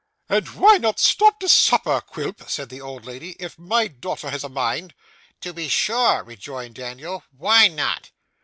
'And why not stop to supper, Quilp,' said the old lady, 'if my daughter had a mind?' 'To be sure,' rejoined Daniel. 'Why not?